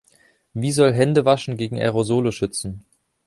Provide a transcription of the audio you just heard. Wie soll Hände waschen gegen Aerosole schützen?